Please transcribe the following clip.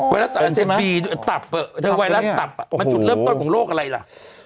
ไวรัสต่าอเศษบีตับไวรัสตับมันจุดเริ่มต้นของโรคอะไรล่ะ